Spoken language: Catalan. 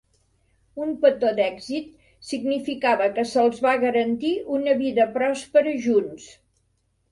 Un petó d'èxit significava que se'ls va garantir una vida pròspera junts.